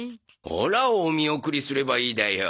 オラをお見送りすればいいだよ。